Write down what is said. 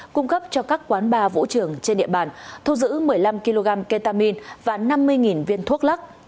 cung cấp cho các quán bar vũ trường trên địa bàn thu giữ một mươi năm kg ketamine và năm mươi viên thuốc lắc